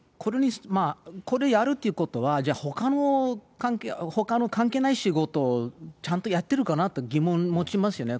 これをやるっていうことは、じゃあほかの関係ない仕事をちゃんとやってるかなっていう疑問を持ちますよね。